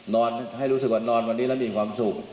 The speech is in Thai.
ให้รู้สึกว่านอนวันนี้แล้วมีความสุข